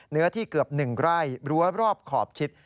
เนื้อที่เกือบ๑ไร่รั้วรอบขอบชิด